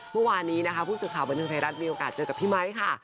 เมื่อวานนี้นะคะผู้สื่อข่าวบันเทิงไทยรัฐมีโอกาสเจอกับพี่ไมค์ค่ะ